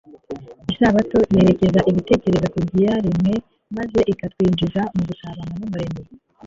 Isabato yerekeza ibitekerezo ku byaremwe maze ikatwinjiza mu gusabana n’Umuremyi.